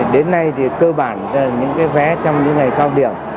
đến nay thì cơ bản những cái vé trong những ngày cao điểm